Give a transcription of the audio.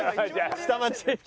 下町。